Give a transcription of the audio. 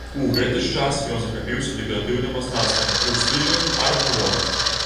У гэты ж час ён захапіўся дэкаратыўным мастацтвам ў стылі ар-нуво.